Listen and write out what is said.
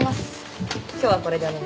今日はこれでお願いします。